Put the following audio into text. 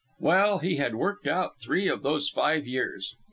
Well, he had worked out three of those five years.